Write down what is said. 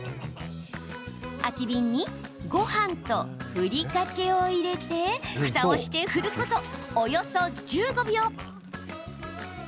空きビンにごはんとふりかけを入れてふたをして振ることおよそ１５秒。